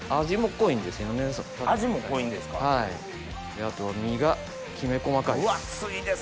あとは身がきめ細かいです。